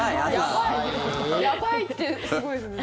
やばいってすごいですね。